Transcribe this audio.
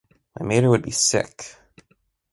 My mater would be sick.